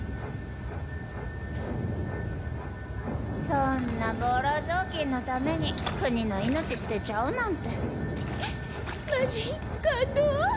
そんなボロ雑巾のために国の命捨てちゃうなんてマジ感動！